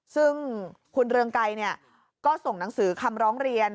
ซึ่งคุณเรืองไกรก็ส่งหนังสือคำร้องเรียน